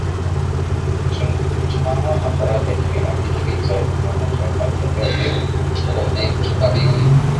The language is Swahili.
Tunaona faraja ya kilimo hiki licha ya changamoto ya hali ya hewa inayotukabili